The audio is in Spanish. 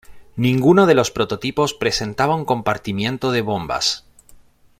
Ninguno de los prototipos presentaba un compartimiento de bombas.